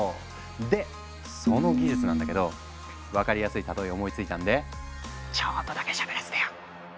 でその技術なんだけど分かりやすい例え思いついたんでちょっとだけしゃべらせてよ。